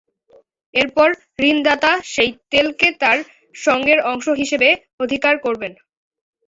এরপর ঋণদাতা সেই তেলকে তার সঙ্গের অংশ হিসেবে "অধিকার" করবেন।